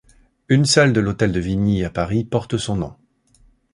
Une salle de l'hôtel de Vigny à Paris porte son nom.